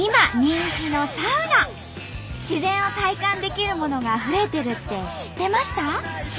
自然を体感できるものが増えてるって知ってました？